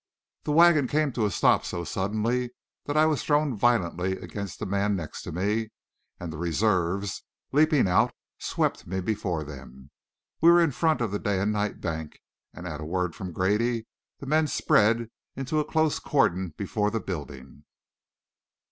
The wagon came to a stop so suddenly that I was thrown violently against the man next to me, and the reserves, leaping out, swept me before them. We were in front of the Day and Night Bank, and at a word from Grady, the men spread into a close cordon before the building.